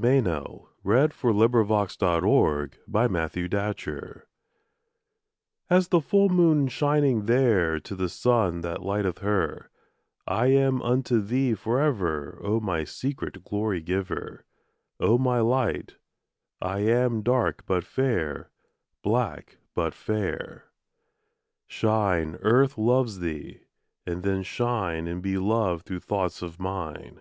THE POET SINGS TO HER POET THE MOON TO THE SUN As the full moon shining there To the sun that lighteth her Am I unto thee for ever, O my secret glory giver! O my light, I am dark but fair, Black but fair. Shine, Earth loves thee! And then shine And be loved through thoughts of mine.